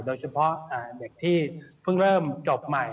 โดยเฉพาะเด็กที่เพิ่งเริ่มจบใหม่